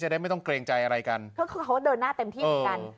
ได้ไม่ต้องเกรงใจอะไรกันก็คือเขาก็เดินหน้าเต็มที่เหมือนกัน